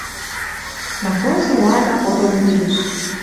Матрос роалта фотом кидӹш: